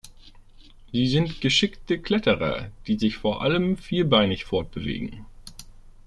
Sie sind geschickte Kletterer, die sich vor allem vierbeinig fortbewegen.